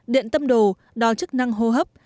điện tâm đồ đo chức năng hô hấp